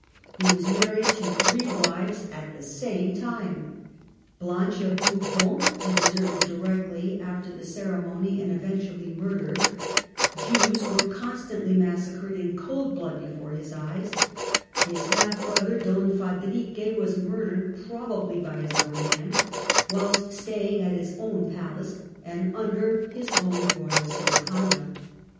He was married to three wives at the same time ; Blanche of Bourbon he deserted directly after the ceremony and eventually murdered ; Jews were constantly massacred in cold blood before his eyes ; his half brother Don Fa drique was murdered probably by his own hand, whilst staying at his own palace and under his own royal safe conduct.